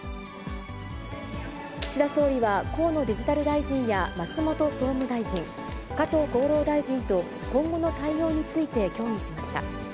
岸田総理は、河野デジタル大臣や松本総務大臣、加藤厚労大臣と今後の対応について協議しました。